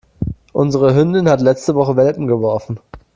Unsere Hündin hat letzte Woche Welpen geworfen.